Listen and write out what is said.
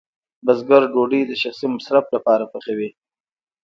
بزګر ډوډۍ د شخصي مصرف لپاره پخوي.